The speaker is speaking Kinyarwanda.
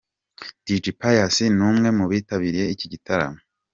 Dj Pius ni umwe mu bitabiriye iki gitaramo.